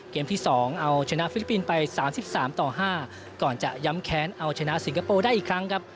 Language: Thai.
ที่๒เอาชนะฟิลิปปินส์ไป๓๓ต่อ๕ก่อนจะย้ำแค้นเอาชนะสิงคโปร์ได้อีกครั้งครับ